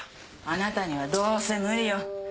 あなたにはどうせ無理よ